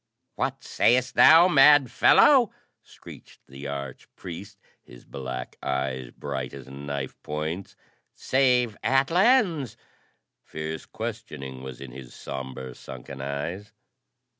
"What sayest thou, mad fellow?" screeched the arch priest, his black eyes bright as knife points. "Save Atlans ?" Fierce questioning was in his sombre, sunken eyes.